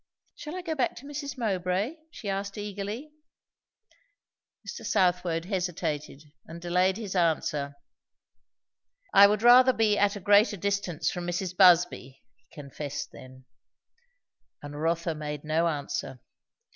"Shall I go back to Mrs. Mowbray?" she asked eagerly. Mr. Southwode hesitated, and delayed his answer. "I would rather be at a greater distance from Mrs. Busby," he confessed then. And Rotha made no answer.